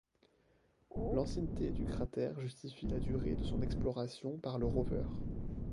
L'ancienneté du cratère justifie la durée de son exploration par le rover.